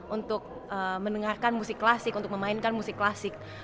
untuk mendengarkan musik klasik untuk memainkan musik klasik